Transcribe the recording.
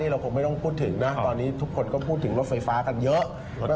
เราคงไม่ต้องพูดถึงนะตอนนี้ทุกคนก็พูดถึงรถไฟฟ้ากันเยอะ